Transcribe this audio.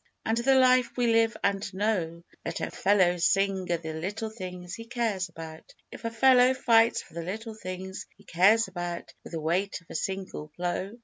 And the life we live and know, Let a fellow sing o' the little things he cares about, If a fellow fights for the little things he cares about With the weight of a single blow!